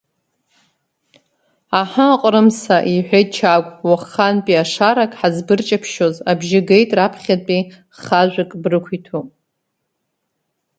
Аҳы, Ҟрымса, — иҳәеит Чагә, уахантәиашарак ҳазбырҷаԥшьоз абжьы геит, раԥхьатәи хажәак брықәиҭуп!